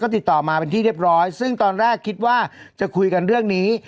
ติดต่อมาเป็นที่เรียบร้อยซึ่งตอนแรกคิดว่าจะคุยกันเรื่องนี้